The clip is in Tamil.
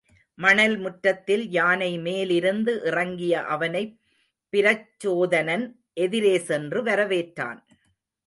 மணல் முற்றத்தில் யானை மேலிருந்து இறங்கிய அவனைப் பிரச்சோதனன் எதிரே சென்று வரவேற்றான்.